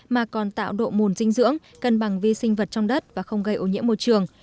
mà còn tạo độ mùn dinh dưỡng cân bằng vi sinh vật trong đất và không gây ô nhiễm môi trường